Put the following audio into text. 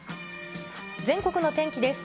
全国の天気です。